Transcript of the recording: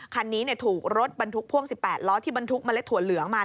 คันนี้ถูกรถบรรทุกพ่วง๑๘ล้อที่บรรทุกเมล็ดถั่วเหลืองมา